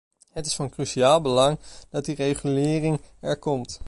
Het is van cruciaal belang dat die regulering er komt.